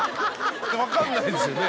分かんないですよね。